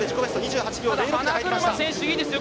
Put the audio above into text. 花車選手いいですよ。